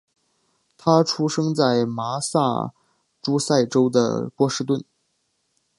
他出生在麻萨诸塞州的波士顿。